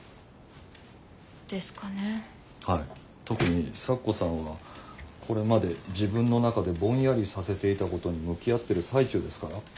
特に咲子さんはこれまで自分の中でぼんやりさせていたことに向き合ってる最中ですから。